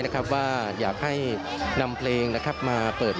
และก็มีการกินยาละลายริ่มเลือดแล้วก็ยาละลายขายมันมาเลยตลอดครับ